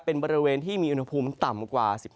เป็นบริเวณที่มีอุณหภูมิต่ำกว่า๑๕